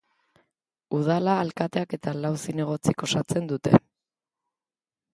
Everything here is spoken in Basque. Udala alkateak eta lau zinegotzik osatzen dute.